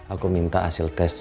aku minta hasil tes